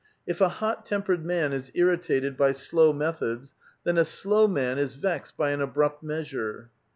If a hot tempered man is irritated by slow methods, then a slow man is vexed by an abrupt measure.